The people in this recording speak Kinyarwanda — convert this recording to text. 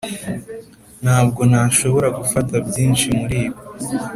ntabwo nshobora gufata byinshi muribi.